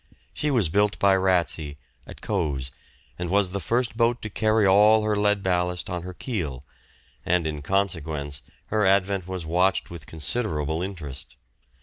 She was built by Ratsey, at Cowes, and was the first boat to carry all her lead ballast on her keel, and in consequence her advent was watched with considerable interest.